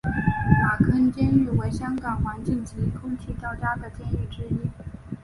马坑监狱为香港环境及空气较佳的监狱之一。